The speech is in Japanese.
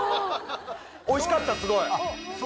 おいしかったすごい。